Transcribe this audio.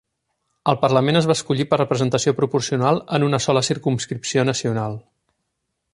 El Parlament es va escollir per representació proporcional en una sola circumscripció nacional.